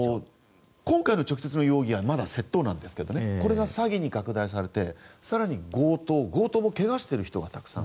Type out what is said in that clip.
今回の直接の容疑はまだ窃盗なんですけどこれが詐欺に拡大されて更に強盗、強盗もけがしている人がたくさん。